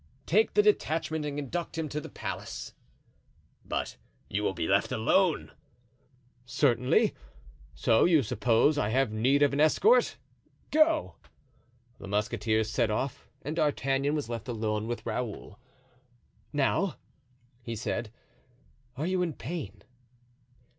"Take the detachment and conduct him to his place." "But you will be left alone?" "Certainly. So you suppose I have need of an escort? Go." The musketeers set off and D'Artagnan was left alone with Raoul. "Now," he said, "are you in pain?"